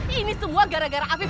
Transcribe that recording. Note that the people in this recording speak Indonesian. ini semua gara gara afif